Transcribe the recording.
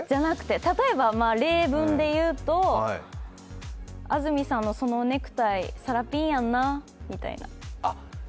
例えば例文でいうと、安住さんのそのネクタイ、さらぴんやんな、みたいな。